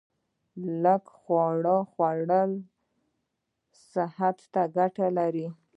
لږ خواړه خوړل صحت ته ګټه لري